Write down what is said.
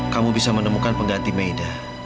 kamu bisa menemukan pengganti meida